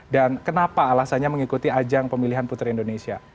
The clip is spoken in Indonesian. dan kenapa alasannya mengikuti ajang pemilihan putri indonesia